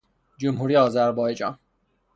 جمهوری آذربایجان